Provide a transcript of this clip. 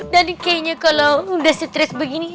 dan kayaknya kalau udah stres begini